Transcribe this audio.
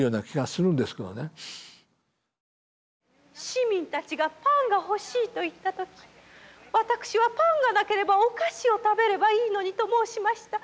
市民たちがパンが欲しいといった時私はパンがなければお菓子を食べればいいのにと申しました。